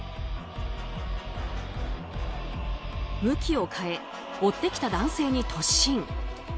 向きを変え追ってきた男性に突進。